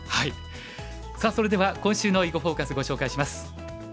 さあそれでは今週の「囲碁フォーカス」ご紹介します。